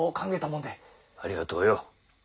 ありがとよ。